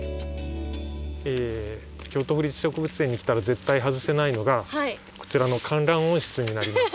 京都府立植物園に来たら絶対外せないのがこちらの観覧温室になります。